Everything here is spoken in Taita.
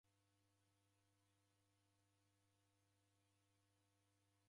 Kobukwa ni maburuburu gha w'ushu